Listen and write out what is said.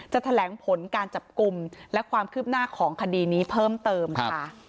แถลงผลการจับกลุ่มและความคืบหน้าของคดีนี้เพิ่มเติมค่ะ